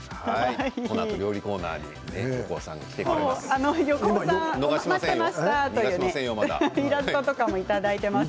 このあと料理コーナーに横尾さんが来てくれます。